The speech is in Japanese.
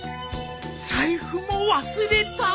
財布も忘れた。